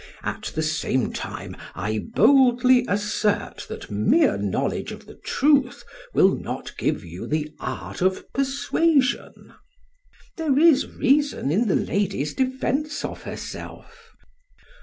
At the same time I boldly assert that mere knowledge of the truth will not give you the art of persuasion. PHAEDRUS: There is reason in the lady's defence of herself.